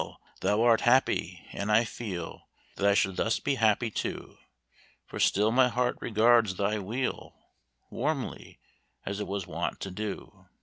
thou art happy, and I feel That I should thus be happy too; For still my heart regards thy weal Warmly, as it was wont to do.